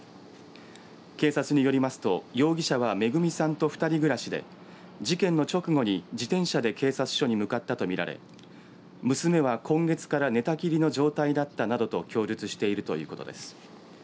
警察によりますと容疑者はめぐみさんと２人暮らしで事件の直後に自転車で警察署に向かったとみられ娘は今月から寝たきりの状態だったなどと供述しているということです。